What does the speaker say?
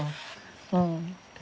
うん。